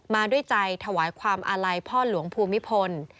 มาด้วยใจถวายความอาลัยพ่อหลวงภูมิพล